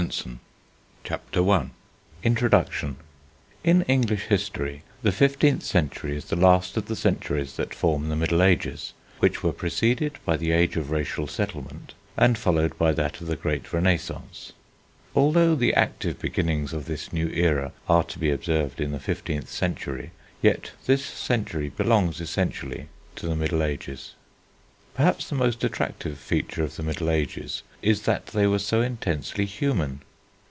RIDSDALE TATE] A MEDIÆVAL CITY CHAPTER I INTRODUCTION In English history the fifteenth century is the last of the centuries that form the Middle Ages, which were preceded by the age of racial settlement and followed by that of the great Renaissance. Although the active beginnings of this new era are to be observed in the fifteenth century, yet this century belongs essentially to the Middle Ages. Perhaps the most attractive feature of the Middle Ages is that they were so intensely human.